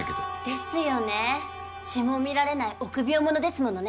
ですよね血も見られない臆病者ですものね。